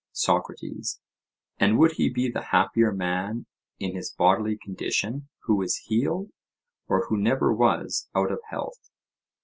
SOCRATES: And would he be the happier man in his bodily condition, who is healed, or who never was out of health?